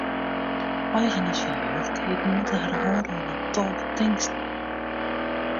Eigeners fan jeugdketen moatte har hâlde oan in tal betingsten.